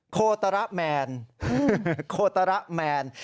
โคตระแมน